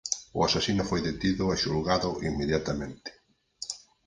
O asasino foi detido e xulgado inmediatamente.